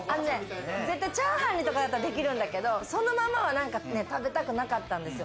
チャーハンとかだったらできるんだけれど、そのまま食べたくなかったんですよ。